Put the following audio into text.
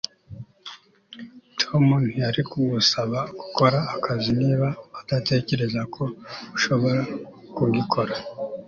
tom ntiyari kugusaba gukora akazi niba adatekereza ko ushobora kugikora